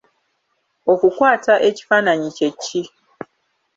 Okukwata ekifaananyi kye ki?